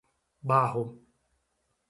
Barro